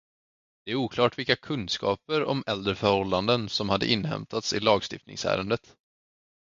Det är oklart vilka kunskaper om äldre förhållanden som hade inhämtats i lagstiftningsärendet.